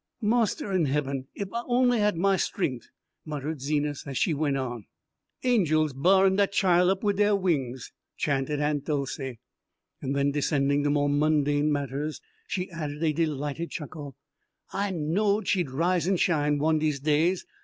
"Marster in hebben, ef I only had my stren'th!" muttered Zenas as she went on. "Angels b'arin' dat chile up wid deir wings," chanted Aunt Dolcey. Then, descending to more mundane matters, she added a delighted chuckle: "I knowed she'd rise en shine one dese days.